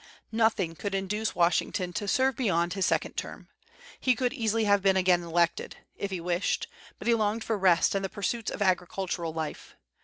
Nothing could induce Washington to serve beyond his second term. He could easily have been again elected, if he wished, but he longed for rest and the pursuits of agricultural life.